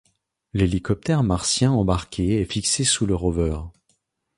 L'hélicoptère martien embarqué est fixé sous le rover.